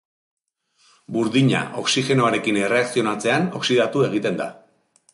Burdina, oxigenoarekin erreakzionatzean, oxidatu egiten da.